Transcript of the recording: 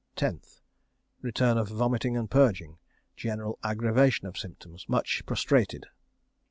10th. Return of vomiting and purging. General aggravation of symptoms. Much prostrated.